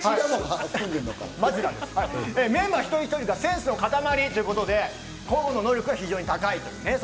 メンバー一人一人がセンスの塊ということで、個々の能力が非常に高い。